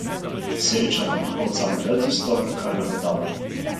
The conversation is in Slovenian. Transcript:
Sreča nam lahko vzame le tisto, kar nam je dala.